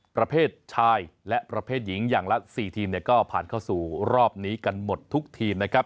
ประเภทชายและประเภทหญิงอย่างละ๔ทีมเนี่ยก็ผ่านเข้าสู่รอบนี้กันหมดทุกทีมนะครับ